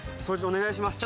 お願いします